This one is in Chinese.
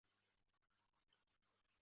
高宗绍兴二年卒。